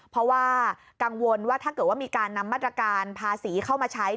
เพราะว่ากังวลว่าถ้าเกิดว่ามีการนำมาตรการภาษีเข้ามาใช้